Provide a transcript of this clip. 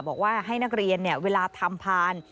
บอกว่าให้นักเรียนเวลาทำพาน